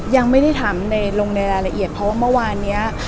ยังไม่ได้ถามในลงในรายละเอียดเพราะว่าเมื่อวานนี้